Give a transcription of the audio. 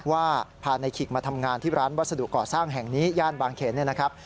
ว่าพานายขิกมาทำงานที่ร้านวัสดุก่อสร้างแห่งนี้ย่านบางเขนเนี่ยนะครับ